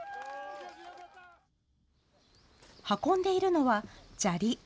運んでいるのは、砂利。